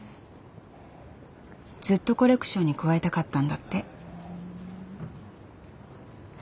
ずっとコレクションに加えたかったんだって。